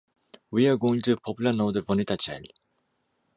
We are going to Poble Nou de Benitatxell.